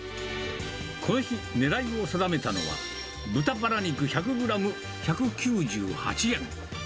この日、狙いを定めたのは豚バラ肉１００グラム１９８円。